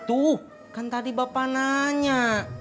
tuh kan tadi bapak nanya